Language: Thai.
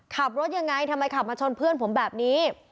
ขับรถยังไงทำไมขับมาชนเพื่อนผมแบบนี้